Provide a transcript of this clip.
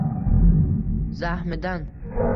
zahmidan